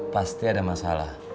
pasti ada masalah